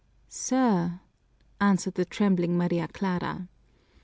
"Sir " answered the trembling Maria Clara.